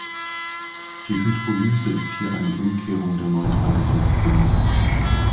Die Hydrolyse ist hier eine Umkehrung der Neutralisation.